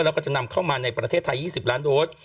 แล้วก็จะนำเข้ามาในประเทศไทย๒๐ล้านโดส